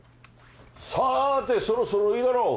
さーてそろそろいいだろう。